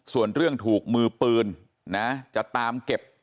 ส่วนเรื่องถูกมือปืนนะจะตามเก็บ